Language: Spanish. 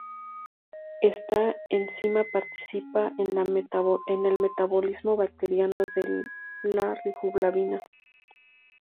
Esta enzima participa en el metabolismo bacteriano de la riboflavina.